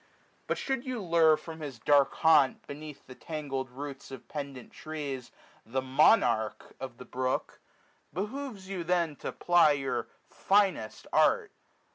But should you lure From his dark haunt, beneath the tangled roots 420 Of pendant trees, the monarch of the brook. Behoves you then to ply your finest art.